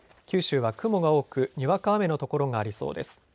九州は雲が多くにわか雨の所がありそうです。